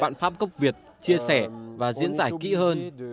đoạn pháp cốc việt chia sẻ và diễn giải kỹ hơn